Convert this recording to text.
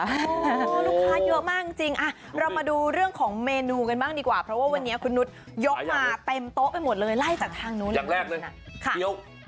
ลูกค้าเยอะมากจริงเรามาดูเรื่องของเมนูกันบ้างดีกว่าเพราะว่าวันนี้คุณนุษย์ยกมาเต็มโต๊ะไปหมดเลยไล่จากทางนู้นอย่างแรกเลยค่ะ